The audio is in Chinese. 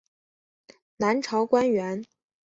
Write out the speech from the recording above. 南朝官员。